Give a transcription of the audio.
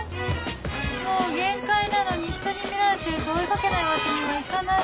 もう限界なのにひとに見られてると追い掛けないわけにはいかない